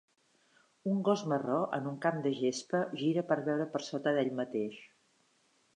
un gos marró en un camp de gespa gira per veure per sota d'ell mateix.